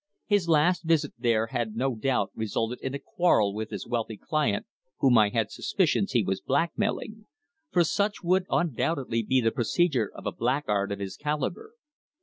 His last visit there had no doubt resulted in a quarrel with his wealthy client, whom I had suspicions he was blackmailing, for such would undoubtedly be the procedure of a blackguard of his calibre.